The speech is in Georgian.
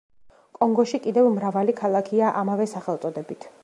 კონგოში კიდევ მრავალი ქალაქია ამავე სახელწოდებით.